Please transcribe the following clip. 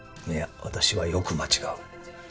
いや私はよく間違う。